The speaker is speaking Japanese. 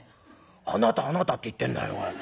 『あなたあなた』って言ってんだよ。